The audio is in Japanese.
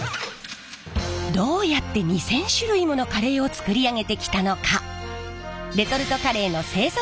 どうやって２，０００種類ものカレーを作り上げてきたのか？